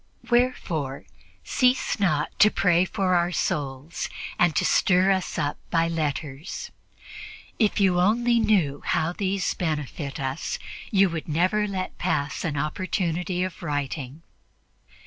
Wherefore cease not to pray for our souls and to stir us up by letters; if you only knew how these benefit us, you would never let pass an opportunity of writing.